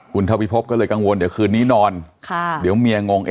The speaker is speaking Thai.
คุณทวิภพก็เลยกังวลเดี๋ยวคืนนี้นอนค่ะเดี๋ยวเมียงง